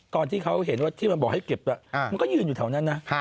ตอนที่เขาเห็นว่าที่มันบอกให้เก็บมันก็ยืนอยู่แถวนั้นนะ